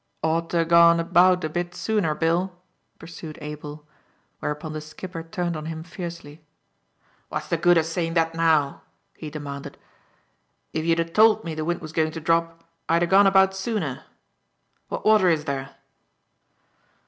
"Ought to a gone about a bit sooner, Bill," pursued Abel; whereupon the skipper turned on him fiercely. "What's the good o' saying that now!" he demanded. "If you'd a told me the wind was going to drop, I a gone about sooner. What water is there?"